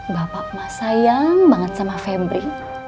bapak mah sayang banget sama fembri